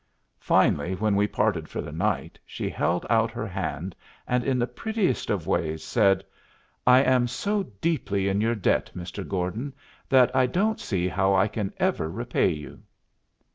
Finally, when we parted for the night she held out her hand, and, in the prettiest of ways, said, "I am so deeply in your debt, Mr. Gordon, that I don't see how I can ever repay you."